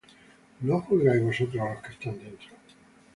¿No juzgáis vosotros á los que están dentro?